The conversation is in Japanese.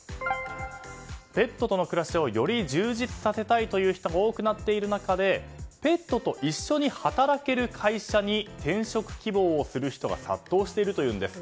ペットとの暮らしをより充実させたいという人が多くなっている中でペットと一緒に働ける会社に転職希望する人が殺到しているというんです。